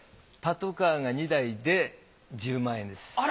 パトカーが２台で１０万円です。